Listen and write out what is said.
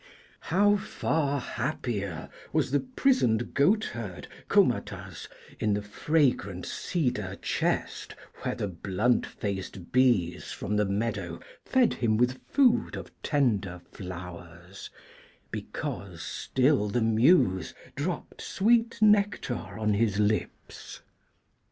How far happier was the prisoned goat herd, Comatas, in the fragrant cedar chest where the blunt faced bees from the meadow fed him with food of tender flowers, because still the Muse dropped sweet nectar on his lips!